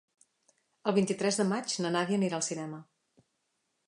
El vint-i-tres de maig na Nàdia anirà al cinema.